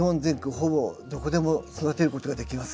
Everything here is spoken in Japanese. ほぼどこでも育てることができます。